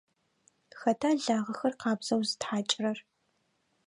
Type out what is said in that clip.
Хэта лагъэхэр къабзэу зытхьакӏырэр?